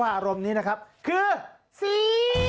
สวัสดีสวัสดีง่ายสบายเพราะว่าเห็นมีแต่คนรูปหล่ออยู่บนเวทีอยู่ตรงจอม